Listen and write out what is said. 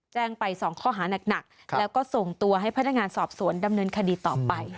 แจ้งไป๒ข้อหานักแล้วก็ส่งตัวให้พนักงานสอบสวนดำเนินคดีต่อไป